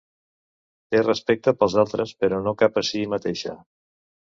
Té respecte pels altres però no cap a si mateixa.